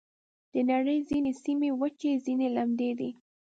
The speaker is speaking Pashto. د نړۍ ځینې سیمې وچې، ځینې لمدې دي.